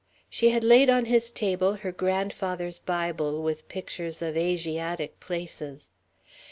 She had laid on his table her grandfather's Bible with pictures of Asiatic places.